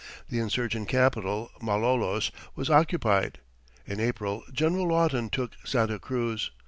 The insurgent capital, Malolos, was occupied. In April, General Lawton took Santa Cruz.